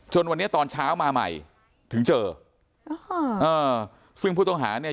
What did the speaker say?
วันนี้ตอนเช้ามาใหม่ถึงเจอซึ่งผู้ต้องหาเนี่ย